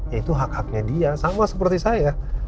ya itu hak haknya dia sama seperti saya